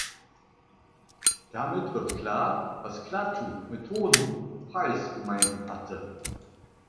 Damit wird klar, was Klaatu mit „hohen Preis“ gemeint hatte.